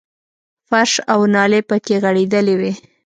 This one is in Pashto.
فرش او نالۍ پکې غړېدلې وې.